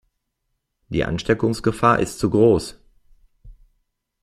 Die Ansteckungsgefahr ist zu groß.